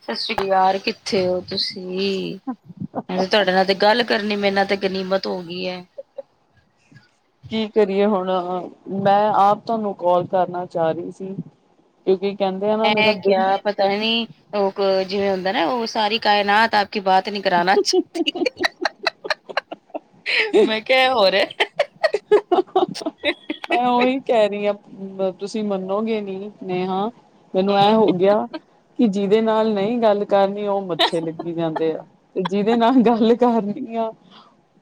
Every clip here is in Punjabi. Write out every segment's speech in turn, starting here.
ਸਤਿ ਸ੍ਰੀ ਅਕਾਲ ਕਿੱਥੇ ਹੋ ਤੁਸੀਂ? ਤੁਹਾਡੇ ਨਾਲ ਤੇ ਗੱਲ ਕਰਨੀ, ਮੇਰੇ ਨਾਲ ਤੇ ਗਨੀਮਤ ਹੋ ਗਈ ਹੈ। ਕੀ ਕਰੀਏ ਹੁਣ, ਮੈਂ ਆਪ ਤੁਹਾਨੂੰ ਕਾਲ ਕਰਨਾ ਚਾਹ ਰਹੀ ਸੀ। ਏ ਕੀ ਕਹਿੰਦੇ। ਆ ਨਾ ਮੇਰਾ ਹੈ ਦਿਲ ਕਿਆ ਪਤਾ ਨੀ ਉਹ ਜਿਵੇਂ ਹੁੰਦਾ ਨਾ, ਉਹ ਸਾਰੀ ਕਾਇਨਾਤ ਆਪ ਕੀ ਬਾਤ ਨੀ ਕਰਾਣਾ ਚਾਹਨਦੀ, ਮੈਂ ਕਿਹਾ ਏ ਹੋ ਰਿਹਾ। [inaudible] ਮੈਂ ਉਹੀ ਕਹਿ ਰਹੀ ਹਾਂ, ਤੁਸੀਂ ਮੰਨੋਗੇ ਨੀ ਨੇਹਾ ਮੈਨੂੰ ਐ ਹਮ, ਹੋ ਗਿਆ, ਕਿ ਜਿਹਦੇ ਨਾਲ ਨਹੀਂ ਗੱਲ ਕਰਨੀ, ਉਹ ਮੱਥੇ ਲੱਗੀ ਜਾਂਦੇ ਆ। ਤੇ ਜਿਹਦੇ ਨਾਲ ਗੱਲ ਕਰਨੀ ਆ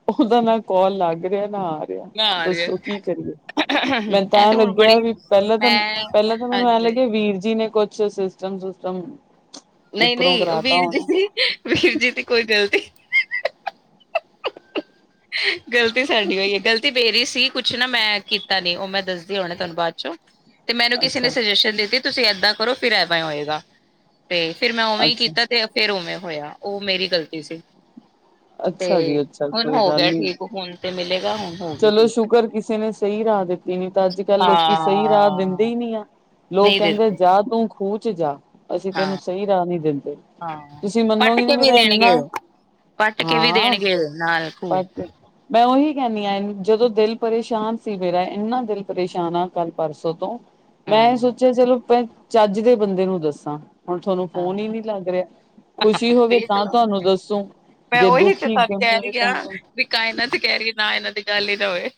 ਉਹਦਾ ਨਾ ਕੋਲ ਲੱਗ ਰਿਹਾ ਨਾ ਆ ਰਿਹਾ, ਨਾ ਆ ਰਿਹਾ। ਦੱਸੋ ਕੀ ਕਰੀਏ। ਮੈਨੂੰ ਇਹ ਐਂ ਤੇ ਹੁਣ ਬੜੀ ਲੱਗਿਆ ਵੀ ਪਹਿਲਾਂ ਤਾਂ ਮੈਂ ਪਹਿਲਾਂ ਤਾਂ ਮੈਨੂੰ ਐਂ ਹਾਂਜੀ। ਲੱਗਿਆ, ਵੀਰ ਜੀ ਨੇ ਕੁਛ ਸਤਮ ਸੂਤਮ [unintelligible] ਨਹੀਂ ਨਹੀਂ ਉਹ ਵੀਰ ਜੀ ਦੀ, ਵੀਰ ਜੀ ਦੀ ਕੋਈ ਗਲਤੀ ਗ਼ਲਤੀ ਸਾਡੀ ਔਈ ਹੈ, ਗ਼ਲਤੀ ਮੇਰੀ ਸੀ ਕੁਛ ਨਾ ਮੈਂ ਕੀਤਾ ਨੀ, ਉਹ ਮੈਂ ਦੱਸਦੀ ਹੁਣੇ ਤੁਹਾਨੂੰ ਬਾਅਦ ਚੋਂ। ਤੇ ਮੈਨੂੰ ਕਿਸੇ ਨੇ ਅੱਛਾ ਸੁਜੈਸ਼ਨ ਦਿੱਤੀ ਤੁਸੀਂ ਏਦਾਂ ਕਰੋ, ਫਿਰ ਐਵੇਂ ਹੀ ਹੋਏਗਾ, ਤੇ ਫਿਰ ਮੈਂ ਉਵੇਂ ਹੀ ਅੱਛਾ, ਕੀਤਾ ਤੇ ਫੇਰ ਉਵੇਂ ਹੋਇਆ, ਉਹ ਮੇਰੀ ਗ਼ਲਤੀ ਸੀ। ਤੇ ਅੱਛਾ ਜੀ ਅੱਛਾ, ਹੁਣ ਕੋਈ ਹੋ ਗੱਲ ਗਿਆ ਨੀ ਠੀਕ ਹੁਣ ਤੇ ਮਿਲੇਗਾ ਹੁਣ ਹੋ ਗਈ ਚਲੋ ਠੀਕ ਸ਼ੂਕਰ ਕਿਸੇ ਨੇ ਸਹੀ ਰਾਹ ਦਿੱਤੀ, ਨਹੀ ਤਾਂ ਅੱਜ ਕੱਲ੍ਹ ਲੋਕੀ ਸਹੀ ਰਾਹ ਦਿੰਦੇ ਹਾਂ ਹੀ ਨਹੀਂ ਆ। ਲੋਕ ਨਹੀਂ ਕਹਿੰਦੇ ਦੇਤੇ ਜਾ ਤੂੰ ਖੂਹ ਚ ਜਾ। ਅਸੀਂ ਹਾਂ ਤੈਨੂੰ ਸਹੀ ਰਾਹ ਨੀ ਦਿੰਦੇ, ਹਾਂ ਤੁਸੀਂ ਪੱਟ ਮੰਨੋਗੇ ਨਹੀਂ ਕੇ ਵੀ ਮੇਰਾ ਇੰਨਾ ਦੇਣਗੇ ਪੱਟ ਕੇ ਵੀ ਹਾਂ ਦੇਣਗੇ ਨਾਲ ਖੂ ਬਟ ਮੈਂ ਉਹੀ ਕਹਣੀ ਆਂ ਜਦੋਂ ਦਿਲ ਪਰੇਸ਼ਾਨ ਸੀ ਮੇਰਾ, ਇੰਨਾ ਦਿਲ ਪਰੇਸ਼ਾਨ ਐ, ਕੱਲ੍ਹ ਪਰਸੋਂ ਤੋਂ ਮੈਂ ਇਹ ਹਮ ਸੋਚਿਆ ਚਲੋੈਂ ਚੱਜ ਦੇ ਬੰਦੇ ਨੂੰ ਦੱਸਾਂ, ਹੁਣ ਤੁਹਾਨੂੰ ਫੋਨ ਹੀ ਹਾਂ ਨਹੀਂ ਲੱਗ ਰਿਹਾ। ਖੁਸ਼ੀ ਹੋਵੇ ਦੇਖ ਤਾਂ ਲਓ ਤੁਹਾਨੂੰ ਦੱਸੋ ਮੈਂ ਜੇ ਉਹੀ ਤੇ ਦੁਖੀ ਤੁਹਾਨੂੰ ਗਮੀ ਕਹਿ ਹੋਵੇ ਰਹੀ ਆ ਤਾਂ ਤੁਹਾ ਵੀ ਕਾਏਨਾਤ ਕਹਿ ਰਹੀ ਏ, ਨਾ ਇਹਨਾਂ ਦੀ ਗੱਲ ਹੀ ਨਾ ਹੋਵੇ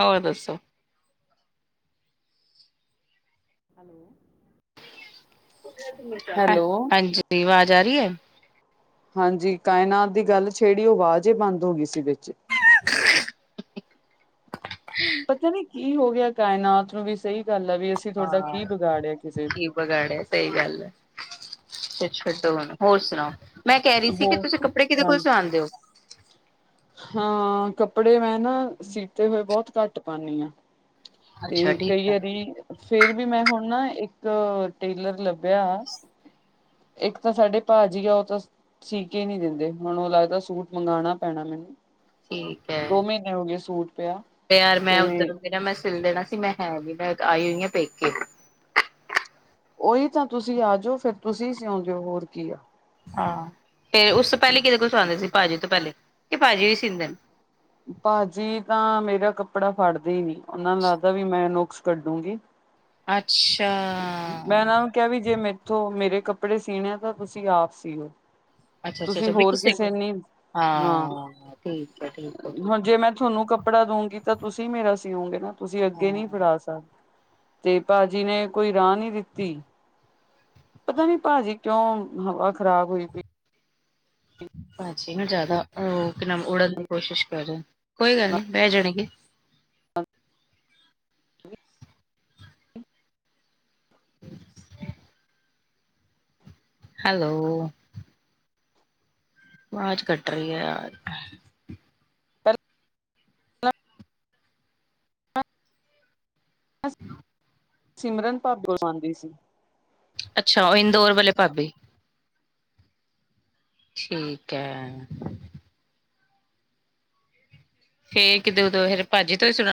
ਹੋਰ ਦੱਸੋ ਹੈਲੋ, ਹਾਂਜੀ ਆਵਾਜ਼ ਆ ਰਹੀ ਏ। ਹਾਂਜੀ ਕਾਇਨਾਤ ਦੀ ਗੱਲ ਛੇੜੀ, ਉਹ ਆਵਾਜ਼ ਹੀ ਬੰਦ ਹੋ ਗਈ ਸੀ ਵਿਚ। ਪਤਾ ਨੀ ਕੀ ਹੋ ਗਿਆ ਕਾਇਨਾਤ ਨੂੰ ਵੀ, ਸਹੀ ਗੱਲ ਆ ਵੀ ਅਸੀਂ ਤੁਹਾਡਾ ਕੀ ਹਾਂ, ਵਿਗਾੜਿਆ ਕਿਸੇ ਨੇ। ਕੀ ਬਗਾੜਿਆ ਸਹੀ ਗੱਲ ਹੈ ਅੱਛਛੱਡੋ ਨ ਹੋਰ ਸੁਣਾਓ, ਮੈਂ ਕਹਿ ਰਹੀ ਸੀ ਕਿ ਹੋ ਤੁਸੀਂ ਕੱਪੜੇ ਕਿਹਦੇ ਹਾਂ ਕੋਲ ਸਵਾਂਦੇ ਹੋ ਹਾਂ ਕੱਪੜੇ ਮੈਂ ਨਾ, ਸੀਤੇ ਹੋਏ ਬਹੁਤ ਘੱਟ ਪਾਉਦੀ ਹਾਂ ਤੇ ਅੱਛਾ ਠੀਕ ਕਈ ਹੈ ਵਾਰੀ ਫੇਰ ਵੀ ਮੈਂ ਹੁਣ ਨਾ ਇੱਕ ਟੇਲਰ ਲੱਭਿਆ। ਇੱਕ ਤਾਂ ਸਾਡੇ ਭਾਜੀੀ ਆ ਉਹ ਤਾਂ ਸੀ ਕੇ ਨੀ ਦਿੰਦੇ ਹੁਣ ਉਹ ਲੱਗਦਾ ਸੂਟ ਮੰਗਵਾਉਣਾ ਪੈਣਾ ਮੈਨੂੰ ਠੀਕ ਹੈ। ਦੋ ਮਹੀਨੇ ਹੋ ਗਏ ਸੂਟ ਪਿਆ। ਯਾਰ ਮੈਂ ਤੇ ਉੱਧਰੋਂ ਨਾ ਮੈਂ ਸਿਲ ਦੇਣਾ ਸੀ ਮੈਂ ਹੈ ਨ ਮੈਂ ਆਈ ਹੋਈ ਹਾਂ ਪੇਕੇ ਉਹੀ ਤਾਂ ਤੁਸੀਂ ਆ ਜਾਓ ਫਿਰ ਤੁਸੀਂ ਸਿਉਂਜੋ ਹੋਰ ਕੀ ਆ। ਹਾਂ ਫੇਰ ਉਸ ਤੋਂ ਪਹਿਲੇ ਕਿਦੇ ਕੋਲ ਸੁਆਉਂਦੇ ਸੀ ਭਾਜੀ ਤੋਂ ਪਹਿਲੇ ਕਿ ਭਾਜੀ ਹੀ ਸੀਂਦੇ ਨੇ। ਭਾਜੀ ਤਾਂ ਮੇਰਾ ਕੱਪੜਾ ਫੜਦੇ ਹੀ ਨੀੰ, ਉਹਨਾਂ ਨੂੰ ਲੱਗਦਾ ਵੀ ਮੈਂ ਨੁਕਸ ਕੱਢੂੰਗੀ। ਅੱਛਾ। ਮੈਂ ਇਹਨਾਂ ਨੂੰ ਕਿਹਾ ਵੀ ਜੇ ਮੇਥੋਂ ਮੇਰੇ ਕੱਪੜੇ ਸੀਣੇ ਆ ਤਾਂ ਤੁਸੀਂ ਆਪ ਸੀਓ। ਅੱਛਾ ਅੱਛਾ ਤੁਸੀਂ ਅੱਛਾ ਵੀ ਹੋਰ ਕਿਸੇ ਕੋਲ ਨੀ ਹਾਂ ਠੀਕ ਹੈ ਠੀਕ ਹੈ ਠੀਕ ਹੁਣ ਜੇ ਹੈ ਮੈਂ ਤੁਹਾਨੂੰ ਕੱਪ ਕਪੜਾ ਦਊਗੀ ਤਾਂ ਤੁਸੀਂ ਮੇਰਾ ਸੀਓਗੇ ਨਾ ਤੁਸੀਂ ਅੱਗੇ ਨਹੀਂ ਹਾਂ ਫੜਾ ਸਕਦੇ ਤੇ ਭਾਜੀ ਨੇ। ਕੋਈ ਰਾਹ ਨੀ ਦਿੱਤੀ ਪਤਾ ਨੀ ਭਾਜੀ ਕਿਉਂ ਹਵਾ ਖ਼ਰਾਬ ਹੋਈ ਭਾਜੀ ਨਾ ਜਿਆਦਾ ਉਹ ਕੀ ਨਾਮ ਉੜਨ ਦੀ ਕੋਸ਼ਿਸ਼ ਕਰ ਰਹੇ ਨੇ, ਕੋਈ ਗੱਲ ਨਹੀਂ ਬਹਿ ਜਾਣੇਗੇ। ਹਠ [unintelligible] ਹੈਲੋ। ਆਵਾਜ਼ ਕੱਟ ਰਹੀ ਹੈ ਯਾਰ। ਪਹਿਲਾਂ ਹ ਸਿਮਰਨ ਭ ਗੁਰਵਾਨਦੀ ਸੀ। ਅੱਛਾ ਉਹ ਇੰਦੋੌਰ ਵਾਲੇ ਭਾਬੀ। ਠੀਕ ਹੈ। ਫੇਰ ਕਿਦੋਂ ਦ ਫਿਰ ਭਾਜੀ ਤੋਂ ਹੀ ਸੁਣਾ।